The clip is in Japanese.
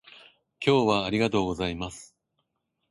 今日はありがとうございます